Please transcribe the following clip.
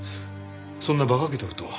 そんな馬鹿げた事を。